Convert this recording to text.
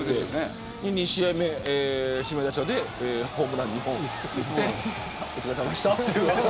２試合目は指名打者でホームラン２本打ってお疲れさまでしたっていう。